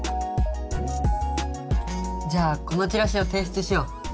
じゃあこのチラシを提出しよう。